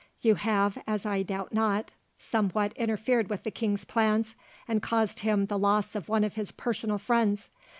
You have, as I doubt not, somewhat interfered with the king's plans, and caused him the loss of one of his personal friends.